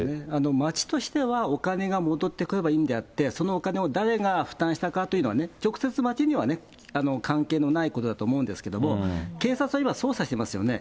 町としてはお金が戻ってくればいいんであって、そのお金を誰が負担したかというのは、直接、町にはね、関係ないことだと思うんですけれども、警察は今、捜査していますよね。